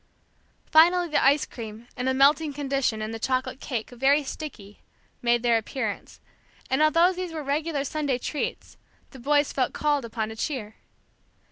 Finally the ice cream, in a melting condition, and the chocolate cake, very sticky, made their appearance; and although these were regular Sunday treats, the boys felt called upon to cheer.